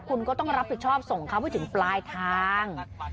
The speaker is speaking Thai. คุณก็ต้องรับผิดชอบส่งเขาให้ถึงปลายทาง